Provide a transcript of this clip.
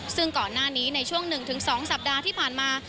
ซึ่งก่อนหน้านี้ในช่วง๑๒สัปดาห์ที่ผ่านมา